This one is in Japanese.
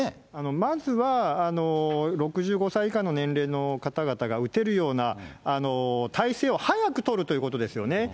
まずは、６５歳以下の年齢の方々が打てるような体制を早く取るということですよね。